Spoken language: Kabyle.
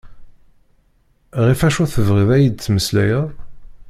Ɣef acu tebɣiḍ ad yi-d-temmeslayeḍ?